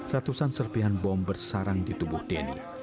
ratusan serpihan bom bersarang di tubuh denny